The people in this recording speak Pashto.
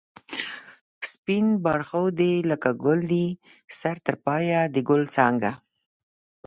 سپین باړخو دی لکه گل دی سر تر پایه د گل څانگه